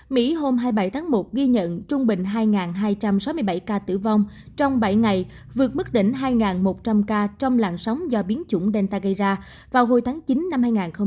mỹ hôm hai mươi bảy tháng một ghi nhận trung bình hai hai trăm sáu mươi bảy ca tử vong trong bảy ngày vượt mức đỉnh hai một trăm linh ca trong làn sóng do biến chủng delta gây ra vào hồi tháng chín năm hai nghìn hai mươi ba